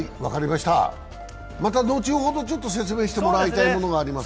また後ほど説明してもらいたいものがあります。